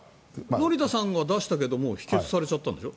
乗田さんは出したけど否決されちゃったんでしょ？